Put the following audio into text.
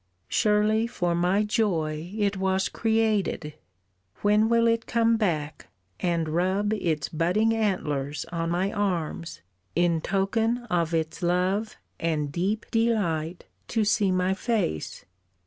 Surely for my joy It was created. When will it come back, And rub its budding antlers on my arms In token of its love and deep delight To see my face?